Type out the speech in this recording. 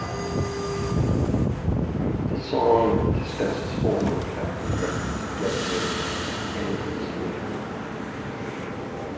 The song discusses former Capitol Records executive Andy Slater.